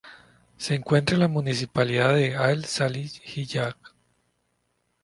Se encuentra en la municipalidad de Al-Salihiyah.